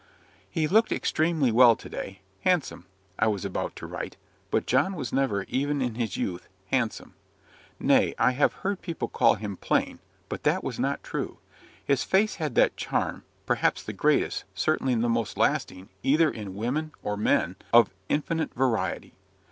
He looked extremely well to day handsome, I was about to write; but John was never, even in his youth, "handsome." Nay, I have heard people call him "plain"; but that was not true. His face had that charm, perhaps the greatest, certainly the most lasting, either in women or men of infinite variety.